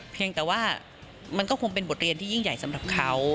เพียงแต่ว่ามันก็คงเป็นบทเรียนที่ยิ่งใหญ่สำหรับเขา